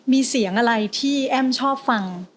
มีเสียงอะไรที่แอ้มชอบฟัง